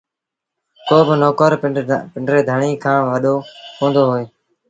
ڪو با نوڪر پنڊري ڌڻيٚ کآݩ وڏو ڪوندو هوئي